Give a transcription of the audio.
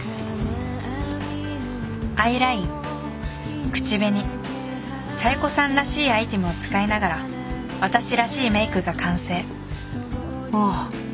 アイライン口紅小夜子さんらしいアイテムを使いながら私らしいメイクが完成ああ